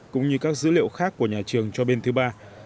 cũng như các dữ liệu khác của nhà trường cho bên thứ ba